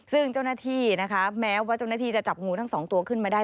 ซึ่งเจ้าหน้าที่นะคะแม้ว่าเจ้าหน้าที่จะจับงูทั้งสองตัวขึ้นมาได้